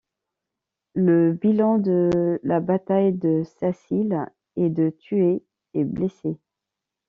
Le bilan de la bataille de Sacile est de tués et blessés.